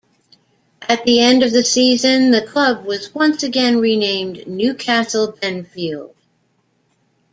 At the end of the season the club was once again renamed Newcastle Benfield.